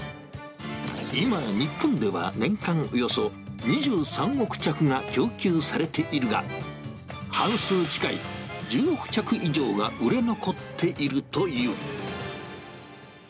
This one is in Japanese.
今や日本では年間およそ２３億着が供給されているが、半数近い１０億着以上が売れ残っているという。